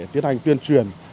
tiến hành tuyên truyền